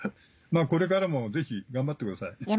これからもぜひ頑張ってください。